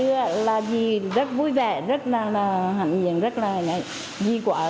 nên ngày hôm nay dì ra đây là dì rất vui vẻ rất là hạnh hiển rất là tuyệt vời